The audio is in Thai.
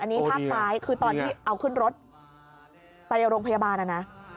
อันนี้ภาพซ้ายคือตอนที่เอาขึ้นรถไปโรงพยาบาลนะนะ